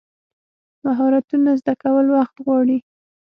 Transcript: مهارتونه زده کول وخت غواړي.